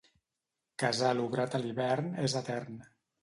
Casal obrat a l'hivern és etern.